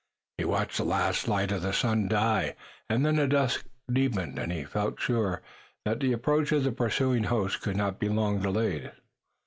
He watched the last light of the sun die and then the dusk deepen, and he felt sure that the approach of the pursuing host could not be long delayed.